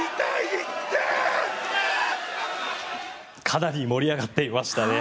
かなり盛り上がっていましたね。